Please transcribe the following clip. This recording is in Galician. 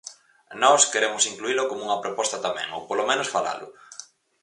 Nós queremos incluílo como unha proposta tamén, ou polo menos falalo.